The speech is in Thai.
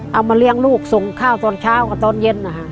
เอามาเลี้ยงลูกส่งข้าวตอนเช้ากับตอนเย็นนะฮะ